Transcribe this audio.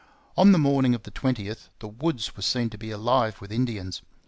On the morning of the 20th the woods were seen to be alive with Indians.